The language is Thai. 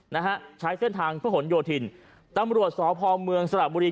นะฮะใช้เส้นทางพระหลโยธินตำรวจสพเมืองสระบุรี